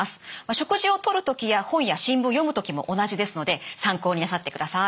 食事をとる時や本や新聞を読む時も同じですので参考になさってください。